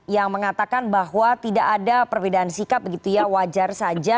yang mengatakan bahwa tidak ada perbedaan sikap begitu ya wajar saja